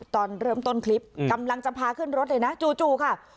ตอนเริ่มต้นคลิปกำลังจะพาขึ้นรถเลยนะจู่ค่ะ